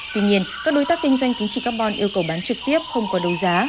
tuy nhiên các đối tác kinh doanh tính trị carbon yêu cầu bán trực tiếp không qua đấu giá